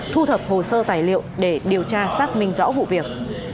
thu thập hồ sơ tài liệu để điều tra xác minh rõ vụ việc